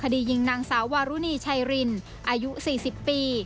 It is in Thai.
คดียิงนางสาววารุณีชายรินอายุสี่สิบปี